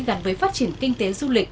gắn với phát triển kinh tế du lịch